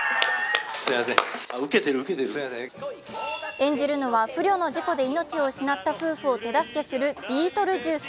演じるのは、不慮の事故で命を失った夫婦を手助けするビートルジュース。